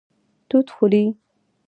توت خوري